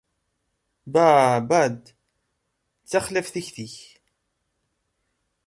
Baa bab! D taxlaft tikti-k.